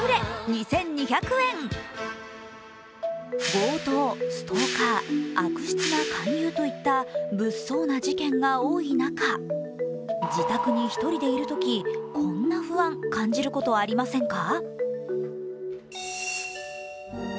強盗、ストーカー、悪質な勧誘といった物騒な事件が多い中、自宅に１人でいるとき、こんな不安、感じることありませんか？